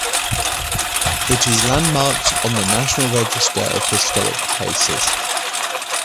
It is landmarked on the National Register of Historic Places.